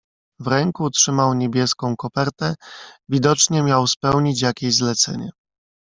"W ręku trzymał niebieską kopertę, widocznie miał spełnić jakieś zlecenie."